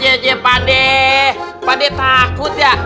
jejai pade pade takut ya